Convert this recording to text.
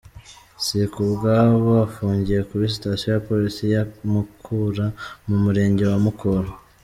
Sikubwabo afungiye kuri sitasiyo ya polisi ya Mukura, mu Murenge wa Mukura.